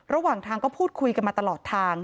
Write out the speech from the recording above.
ระหว่างทางก็พูดคุยกันมาตลอดทาง